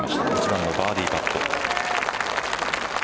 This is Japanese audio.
１番のバーディーパット。